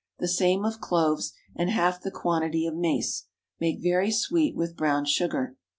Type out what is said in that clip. The same of cloves, and half the quantity of mace. Make very sweet with brown sugar.